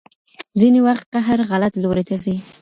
ځينې وخت قهر غلط لوري ته ځي.